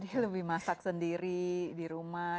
jadi lebih masak sendiri di rumah